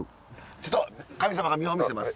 ちょっと神様が見本見せます。